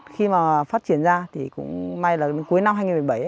khi mà phát triển ra thì cũng may là đến cuối năm hai nghìn một mươi bảy